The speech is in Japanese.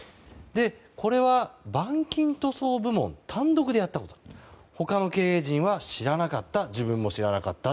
これは板金塗装部門単独でやった他の経営陣は知らなかった自分も知らなかった。